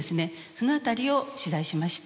その辺りを取材しました。